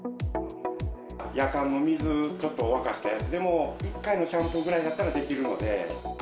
やかんの水、ちょっと沸かしたやつでも、１回のシャンプーぐらいだったらできるので。